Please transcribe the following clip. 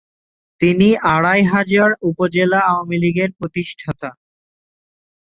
তিনি আড়াইহাজার উপজেলা আওয়ামীলীগের প্রতিষ্ঠাতা।